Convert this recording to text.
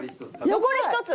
残り１つ？